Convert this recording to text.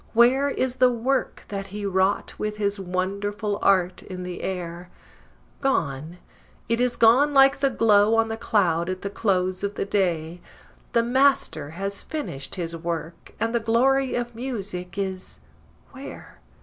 Where is the work that he wrought with his wonderful art in the air? Gone, it is gone like the glow on the cloud at the close of the day! The Master has finished his work, and the glory of music is where?